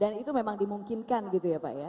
dan itu memang dimungkinkan gitu ya pak ya